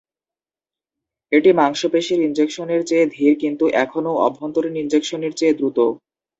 এটি মাংসপেশীর ইনজেকশনের চেয়ে ধীর কিন্তু এখনও অভ্যন্তরীণ ইনজেকশনের চেয়ে দ্রুত।